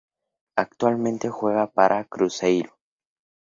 Actualmente juega para Cruzeiro.